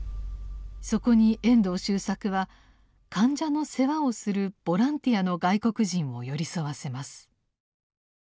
そこに遠藤周作は患者の世話をするボランティアの外国人を寄り添わせます。